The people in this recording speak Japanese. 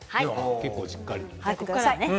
結構しっかり。